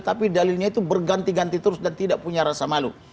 tapi dalilnya itu berganti ganti terus dan tidak punya rasa malu